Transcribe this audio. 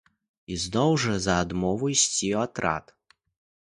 Ізноў жа за адмову ісці ў атрад.